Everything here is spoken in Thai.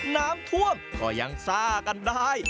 น้ำท่วมก็ยังซ่ากันได้